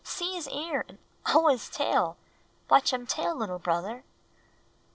See his ear, and oh, his tail! Watch um tail, little brother."